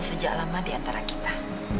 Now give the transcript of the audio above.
sejak lama diantara kita